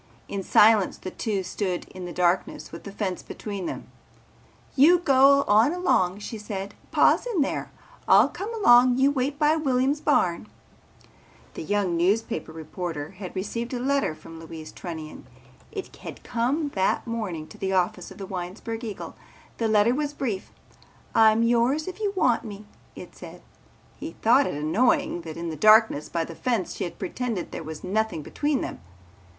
In silence the two stood in the darkness with the fence between them. "You go on along," she said. "Pa's in there. I'll come along. You wait by Williams' barn." The young newspaper reporter had received a letter from Louise Trunnion. It had come that morning to the office of the Winesburg Eagle. The letter was brief. "I'm yours if you want me," it said. He thought it annoying that in the darkness by the fence she had pretended there was nothing between them.